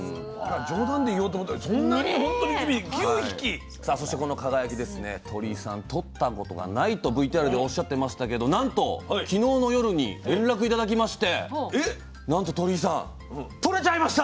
冗談で言おうと思ったらそんなにほんとに微々９匹⁉さあそしてこの「輝」ですね鳥井さんとったことがないとＶＴＲでおっしゃってましたけどなんと昨日の夜に連絡頂きましてなんと鳥井さんとれちゃいました！